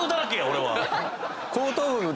俺は。